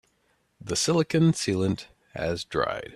The silicon sealant has dried.